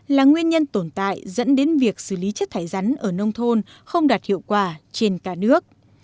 là nguyên nhân tồn tại dẫn đến việc xử lý chất thải rắn ở nông thôn không đạt hiệu quả trên cả nước